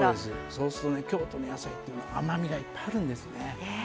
そうすると京都の野菜って甘みがいっぱいあるんですね。